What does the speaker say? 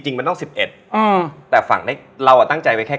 จริงมันต้อง๑๑แต่ฝังเราตั้งใจจะไว้แค่๙